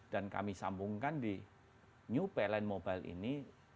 dan kami sambungkan di new payline mobile ini